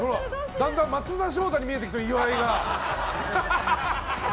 だんだん松田翔太に見えてきた、岩井が。